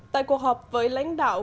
tại cuộc họp với lãnh đạo